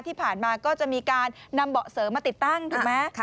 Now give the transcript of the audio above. ที่ผ่านมาก็จะมีการนำเบาะเสริมมาติดตั้งถูกไหม